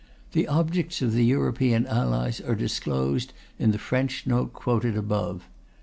The objects of the European Allies are disclosed in the French Note quoted above.